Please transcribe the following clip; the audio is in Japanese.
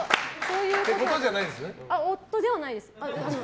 夫ではないです。